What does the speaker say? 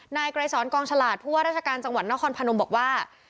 ไกรสอนกองฉลาดผู้ว่าราชการจังหวัดนครพนมบอกว่า